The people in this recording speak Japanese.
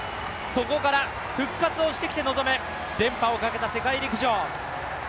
そこから復活をしてきて臨む、連覇をかけた世界陸上。